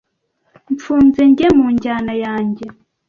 mfunze njye mu njyana yanjye